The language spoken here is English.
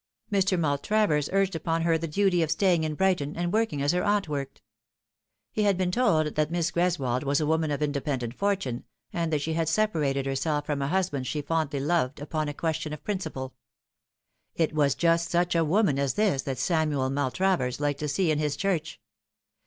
Mr. Maltravers urged upon her the duty of staying in Brigh ton, and working as her aunt worked. He had been told that Mrs. Greswold was a woman of independent fortune, and that she had separated herself from a husband she fondly loved, upon a question of principle. It was just such a woman as this that Samuel Maltravers liked to see in his church.